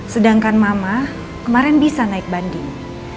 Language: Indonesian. sedangkan mama kemarin bisa naik banding